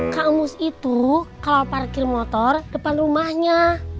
kak emus itu kalau parkir motor depan rumahnya